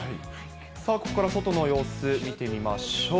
ここから外の様子見てみましょう。